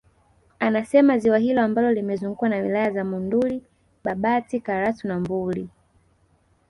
Anasema ziwa hilo ambalo limezungukwa na wilaya za Monduli Babati Karatu na Mbuli